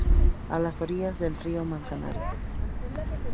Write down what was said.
A orillas del río Manzanares.